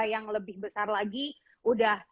yang lebih besar lagi udah